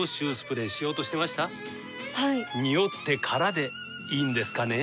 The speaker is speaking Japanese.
ニオってからでいいんですかね？